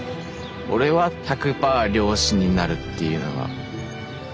俺は１００パー漁師になるっていうのが夢。